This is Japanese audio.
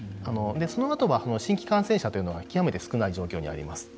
そのあとは新規感染者というのは極めて少ない状況にあります。